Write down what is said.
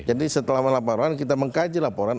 jadi setelah melaporkan kita mengkaji laporan